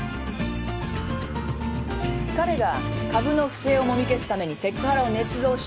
彼が株の不正をもみ消すためにセクハラを捏造した。